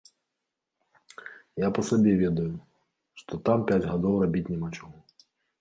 Я па сабе ведаю, што там пяць гадоў рабіць няма чаго.